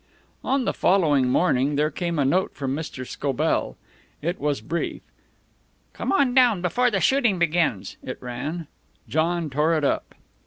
On the following morning there came a note from Mr. Scobell. It was brief. "Come on down before the shooting begins," it ran. John tore it up.